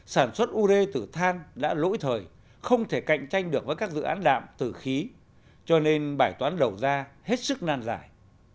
sản xuất ure từ than đã lỗi thời không thể cạnh tranh được với các dự án đạm từ khí cho nên bài toán đầu ra hết sức nan giải